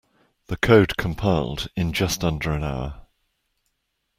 The code compiled in just under an hour.